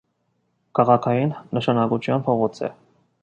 Քաղաքային նշանակության փողոց է։